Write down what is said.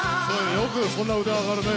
よくそんな腕上がるね。